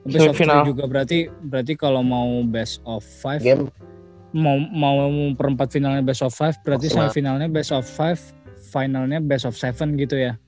best of tiga juga berarti kalo mau best of lima mau perempat finalnya best of lima berarti semifinalnya best of lima finalnya best of tujuh gitu ya